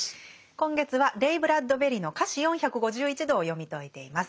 今月はレイ・ブラッドベリの「華氏４５１度」を読み解いています。